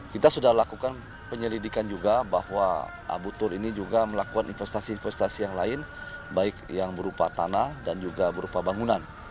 kita sudah lakukan penyelidikan juga bahwa abu tur ini juga melakukan investasi investasi yang lain baik yang berupa tanah dan juga berupa bangunan